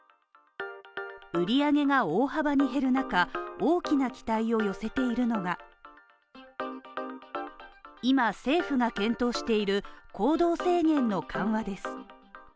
売り上げが大幅に減る中大きな期待を寄せているのが今政府が検討している行動制限の緩和です